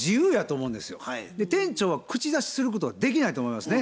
店長は口出しすることができないと思いますね。